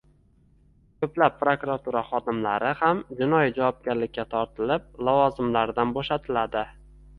ko‘plab prokuratura xodimlari ham jinoiy javobgarlikka tortilib, lavozimlardan bo‘shatiladi.